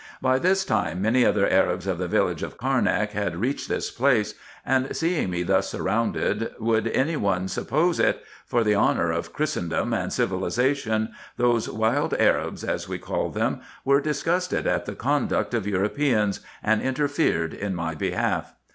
By this time many other Arabs of the village of Carnak had reached this place, and seeing me thus surrounded, would any one suppose it! for the honour of Christendom and civilization, those wild Arabs, as we call them, were disgusted at the conduct of Europeans, and interfered in my behalf.